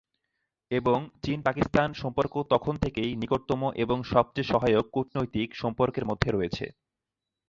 এবং চীন-পাকিস্তান সম্পর্ক তখন থেকেই নিকটতম এবং সবচেয়ে সহায়ক কূটনৈতিক সম্পর্কের মধ্যে রয়েছে।